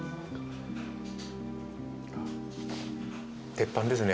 鉄板ですね